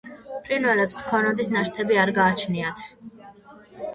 ფრინველებს ქორდის ნაშთები არ გააჩნიათ.